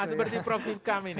haa seperti prof ikam ini